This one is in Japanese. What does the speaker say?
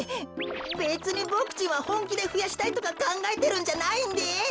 べつにボクちんはほんきでふやしたいとかかんがえてるんじゃないんです。